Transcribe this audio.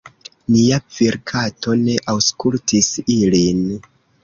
Nia virkato ne aŭskultis ilin.